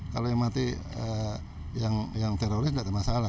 kalau yang mati yang teroris tidak ada masalah